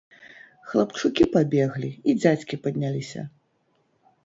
Хлапчукі пабеглі, і дзядзькі падняліся.